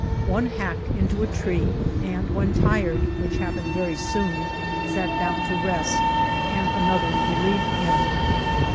One hacked into a tree, and, when tired, iidiick happened very soon, sat down to rest, and another re lieved him.